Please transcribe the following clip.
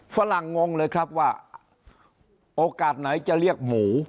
ฝรั่งงงเลยครับว่าโอกาสไหนจะเรียกหมู